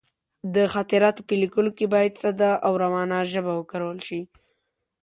د خاطراتو په لیکلو کې باید ساده او روانه ژبه وکارول شي.